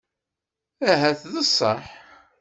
Ahat d ṣṣeḥ.